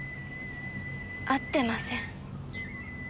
会ってません。